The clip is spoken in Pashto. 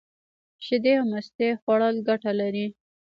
شیدې او مستې خوړل گټه لري.